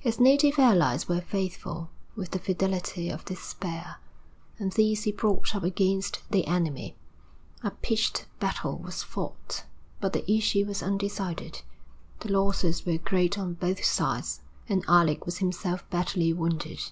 His native allies were faithful, with the fidelity of despair, and these he brought up against the enemy. A pitched battle was fought, but the issue was undecided. The losses were great on both sides, and Alec was himself badly wounded.